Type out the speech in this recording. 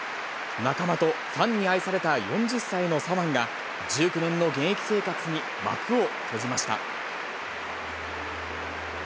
仲間とファンに愛された４０歳の左腕が、１９年の現役生活に幕を閉じました。